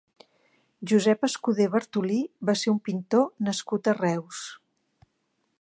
Josep Escudé Bartolí va ser un pintor nascut a Reus.